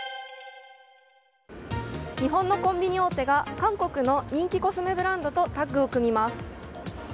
日本のコンビニ大手が韓国の人気コスメブランドとタッグを組みます。